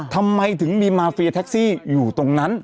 ทำไมถึงมีมาเฟียแท็กซี่อยู่ตรงนั้น